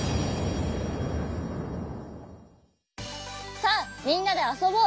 さあみんなであそぼう！